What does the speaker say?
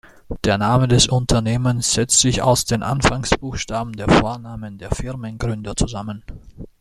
Der Name des Unternehmens setzt sich aus den Anfangsbuchstaben der Vornamen der Firmengründer zusammen.